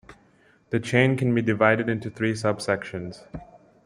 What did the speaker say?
The chain can be divided into three subsections.